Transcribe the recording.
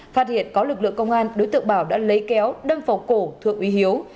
phát hiện có lực lượng công an đối tượng bảo đã lấy kéo đâm vào cổ thượng úy hiếu